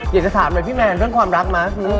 อยากจะถามหน่อยพี่แมนเรื่องความรักไหม